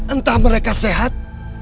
entah mereka sehat